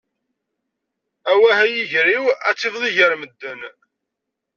Awah a yiger-iw, ad tifeḍ iger n medden!